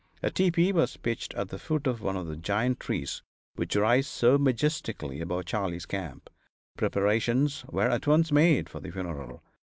A tepee was pitched at the foot of one of the giant trees which rise so majestically above Charley's camp. Preparations were at once made for the funeral.